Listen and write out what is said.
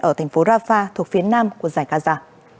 ở thành phố rafah thuộc phía nam của giải cà già